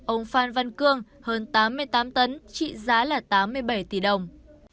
ông phan văn cương hơn tám mươi tám tấn trị giá là tám mươi bảy tỷ đồng